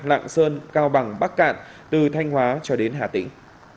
lạng sơn cao bằng bắc cạn từ thanh hóa cho đến hà tĩnh